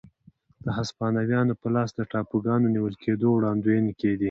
د هسپانویانو په لاس د ټاپوګانو نیول کېدو وړاندوېنې کېدې.